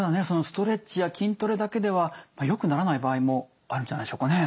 ストレッチや筋トレだけではよくならない場合もあるんじゃないでしょうかね。